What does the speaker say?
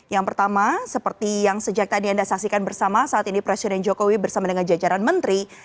yang pertama seperti yang sejak tadi anda saksikan bersama saat ini presiden jokowi bersama dengan jajaran menteri